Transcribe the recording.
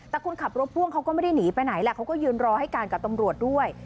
แต่คนขับรถพ่วงเขาก็ไม่ได้หนีไปไหนแหละเขาก็ยืนรอให้การกับตำรวจด้วย